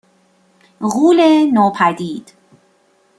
غولِ نوپدید